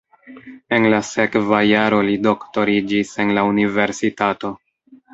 En la sekva jaro li doktoriĝis en la universitato.